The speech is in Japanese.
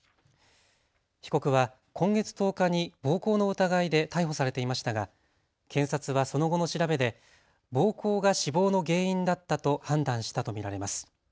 被告は今月１０日に暴行の疑いで逮捕されていましたが検察はその後の調べで暴行が死亡の原因だったと判断したと見られます。